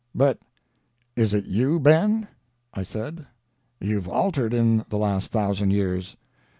"'But is it you, Ben?' I said. 'You've altered in the last thousand years.'